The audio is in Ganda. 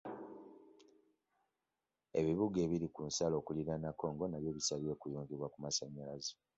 Ebibuga ebiri ku nsalo okulirana Congo nabyo bisabye okuyungibwa ku masannyalaze.